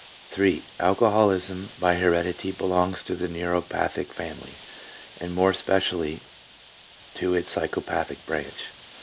" 3. Alcoholism by heredity belongs to the neuro pathic family, and more specifically to its psycho pathic branch.